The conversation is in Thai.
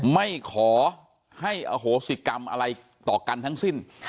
ไม่ขอให้อโหสิกรรมอะไรต่อกันทั้งสิ้น